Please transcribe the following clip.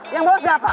yang bawah siapa